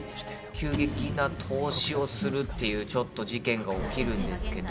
急激な凍死をするっていうちょっと事件が起きるんですけど。